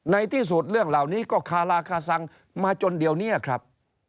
ในที่สุดเรื่องเหล่านี้ก็คาราคาซังมาจนเดี๋ยวนี้ครับ